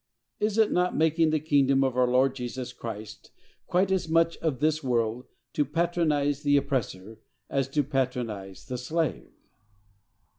Is it not making the kingdom of our Lord Jesus Christ quite as much of this world, to patronize the oppressor, as to patronize the slave?